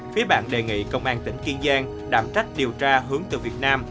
phía bạn đề nghị công an tỉnh kiên giang đảm trách điều tra hướng từ việt nam